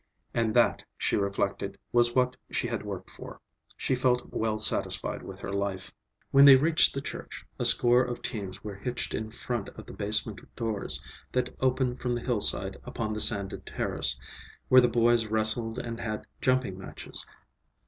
And that, she reflected, was what she had worked for. She felt well satisfied with her life. When they reached the church, a score of teams were hitched in front of the basement doors that opened from the hillside upon the sanded terrace, where the boys wrestled and had jumping matches.